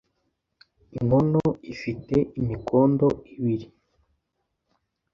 inkono ifite imikondo ibiri